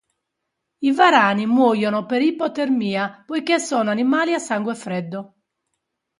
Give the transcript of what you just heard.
I varani muoiono per ipotermia poiché sono animali a sangue freddo.